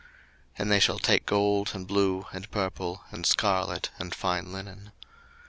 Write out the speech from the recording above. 02:028:005 And they shall take gold, and blue, and purple, and scarlet, and fine linen.